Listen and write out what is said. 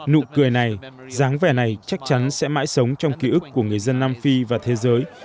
nụ cười này dáng vẻ này chắc chắn sẽ mãi sống trong ký ức của người dân nam phi và thế giới